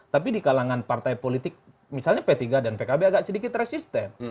tapi di kalangan partai politik misalnya p tiga dan pkb agak sedikit resisten